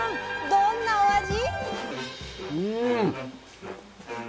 どんなお味？